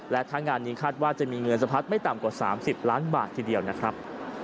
และถ้างานนี้คาดว่าจะมีเงินสะพัดไม่ต่ำกว่า๓๐ล้านบาททีเดียวนะครับ